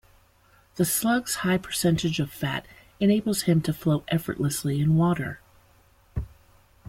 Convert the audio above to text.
The Slug's high percentage of fat enables him to float effortlessly in water.